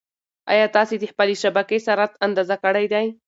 ایا تاسي د خپلې شبکې سرعت اندازه کړی دی؟